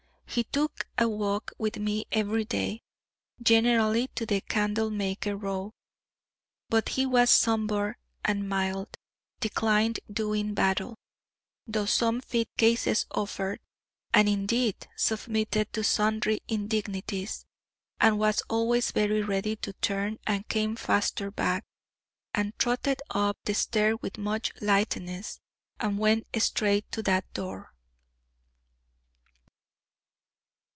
He took a walk with me every day, generally to the Candlemaker Row; but he was sombre and mild; declined doing battle, though some fit cases offered, and indeed submitted to sundry indignities; and was always very ready to turn and came faster back, and trotted up the stair with much lightness, and went straight to that door.